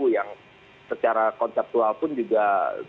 yang secara konseptual pun juga